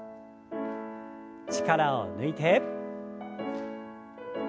力を抜いて。